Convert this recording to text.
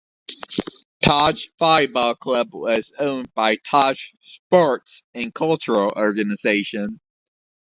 Taj volleyball club was owned by Taj sports and cultural organization.